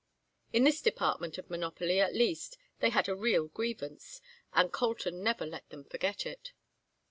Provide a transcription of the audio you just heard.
In this department of monopoly at least they had a real grievance, and Colton never let them forget it.